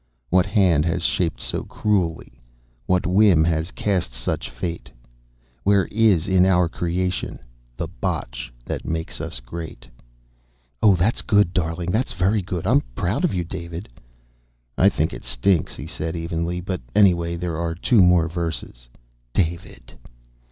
_ "What hand has shaped so cruelly? What whim has cast such fate? Where is, in our creation, The botch that makes us great?" "Oh, that's good, darling! That's very good. I'm proud of you, David." "I think it stinks," he said evenly, "but, anyway, there are two more verses." "_David!